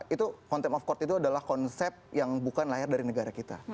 itu contempt of court itu adalah konsep yang bukan lahir dari negara kita